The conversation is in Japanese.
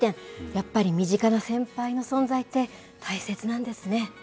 やっぱり身近な先輩の存在って、大切なんですね。